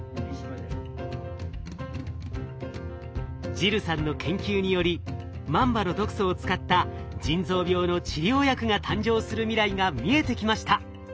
ジルさんの研究によりマンバの毒素を使った腎臓病の治療薬が誕生する未来が見えてきました。